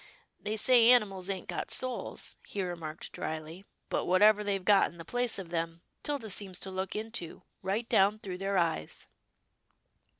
They say animals ain't got souls," he remarked drily, " but whatever they've got in the place of them, 'Tilda seems to look into, right down through their eyes."